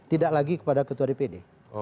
tidak lagi kepada ketua dpd